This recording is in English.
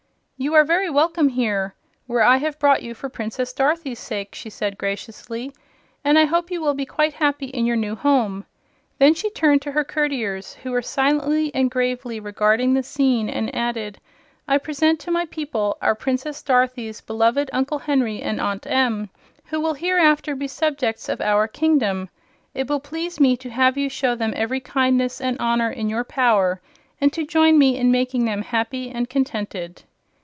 "You are very welcome here, where I have brought you for Princess Dorothy's sake," she said, graciously, "and I hope you will be quite happy in your new home." Then she turned to her courtiers, who were silently and gravely regarding the scene, and added: "I present to my people our Princess Dorothy's beloved Uncle Henry and Aunt Em, who will hereafter be subjects of our kingdom. It will please me to have you show them every kindness and honor in your power, and to join me in making them happy and contented."